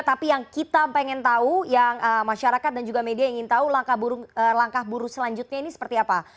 tapi yang kita pengen tahu yang masyarakat dan juga media ingin tahu langkah buruh selanjutnya ini seperti apa